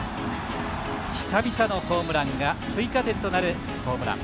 久々のホームランが追加点となるホームラン。